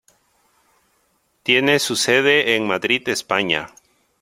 Tiene su sede en Madrid, España.